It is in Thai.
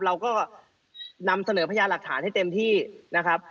เราก็นำเสนอพยานหลักฐานให้เต็มที่นะครับ